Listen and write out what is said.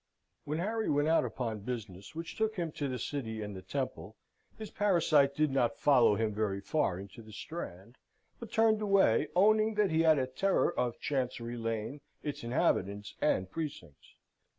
When Harry went out upon business, which took him to the City and the Temple, his parasite did not follow him very far into the Strand; but turned away, owning that he had a terror of Chancery Lane, its inhabitants, and precincts.